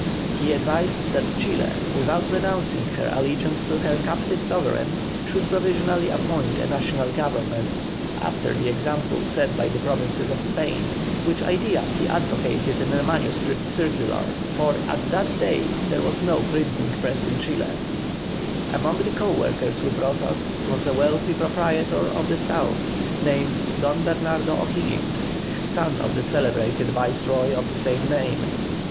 He advised that Chile, without renouncing her allegiance to her captive sovereign, should provisionally appoint a National government, after the example set by the Provinces of Spain, which idea he advocated in a manuscript circular, for at that day there was no printing press in Chile. Among the co workers with Rozas was a wealthy proprietor of the South named DON BERNARDO O'HIGGINS, son of the celebrated Viceroy of the same name.